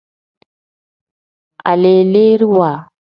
Aleleeriwa.